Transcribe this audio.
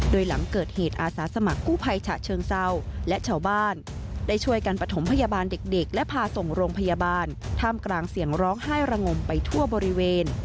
โดยหลังเกิดเหตุอาสาสมัครกู้ภัยฉะเชิงเศร้าและชาวบ้านได้ช่วยกันประถมพยาบาลเด็กและพาส่งโรงพยาบาลท่ามกลางเสียงร้องไห้ระงมไปทั่วบริเวณ